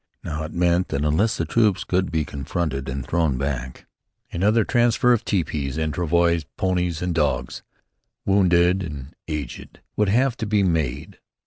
Now it meant that, unless the troops could be confronted and thrown back, another transfer of tepees and travois, ponies and dogs, wounded and aged would have to be made.